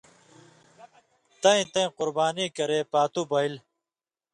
تَیں تَیں قُربانی کرے پاتُو بَیل۔